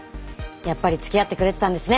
やっぱりつきあってくれてたんですね